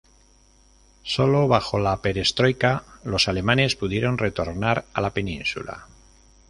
Sólo bajo la Perestroika, los alemanes pudieron retornar a la península.